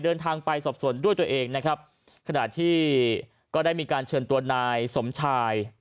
เดินทางไปสอบส่วนด้วยตัวเองนะครับขณะที่ก็ได้มีการเชิญตัวนายสมชาย